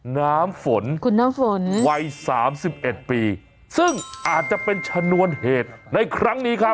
น้ำฝนคุณน้ำฝนวัยสามสิบเอ็ดปีซึ่งอาจจะเป็นชนวนเหตุในครั้งนี้ครับ